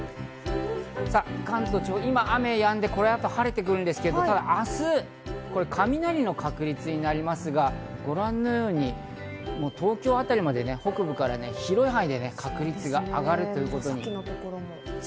関東地方は今、雨がやんでこれから晴れてくるんですが明日、雷の確率になりますが、ご覧のように東京あたりまで北部から広い範囲で確率が上がる。